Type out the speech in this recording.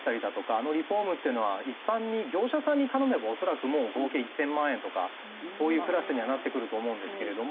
あのリフォームっていうのは一般に業者さんに頼めば恐らくもう合計１０００万円とかそういうクラスにはなってくると思うんですけれども。